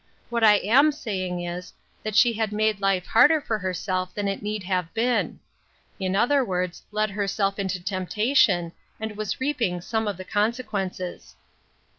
What I am saying is, that she had made life harder for herself than it need have been ; in other words, led herself into temptation, and was reaping some of the consequences.